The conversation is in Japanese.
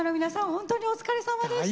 ほんとにお疲れさまでした。